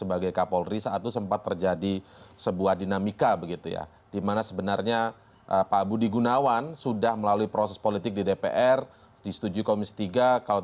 apakah anda ingin menyebutkan peraturan perundangannya